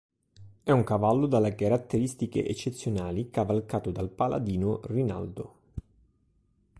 È un cavallo dalle caratteristiche eccezionali, cavalcato dal paladino Rinaldo.